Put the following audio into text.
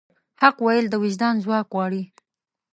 حق ویل د وجدان ځواک غواړي.